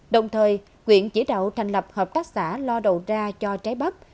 đồng thời quyện chỉ đạo thành lập hợp tác xã lo đầu ra cho trái bắp